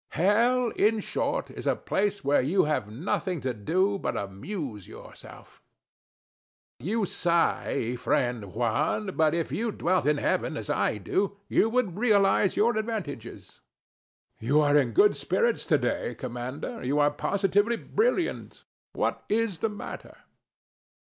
Hell, in short, is a place where you have nothing to do but amuse yourself. [Don Juan sighs deeply]. You sigh, friend Juan; but if you dwelt in heaven, as I do, you would realize your advantages. DON JUAN. You are in good spirits to day, Commander. You are positively brilliant. What is the matter?